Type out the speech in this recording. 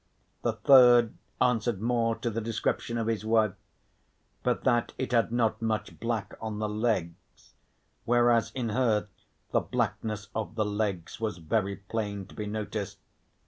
The third answered more to the description of his wife, but that it had not much black on the legs, whereas in her the blackness of the legs was very plain to be noticed.